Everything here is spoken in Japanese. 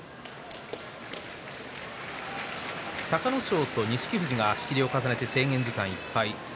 隆の勝と錦富士が仕切りを重ねて制限時間いっぱいです。